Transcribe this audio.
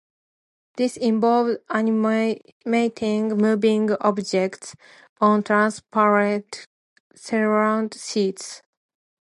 This involved animating moving objects on transparent celluloid sheets.